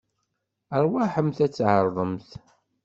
Aṛwaḥemt ad tɛeṛḍemt.